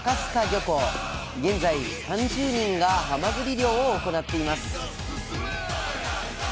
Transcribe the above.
現在３０人がはまぐり漁を行っています